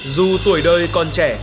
du tuổi đời con trẻ